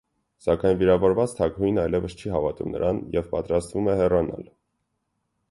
Սակայն վիրավորված թագուհին այլևս չի հավատում նրան և պատրաստվում է հեռանալ։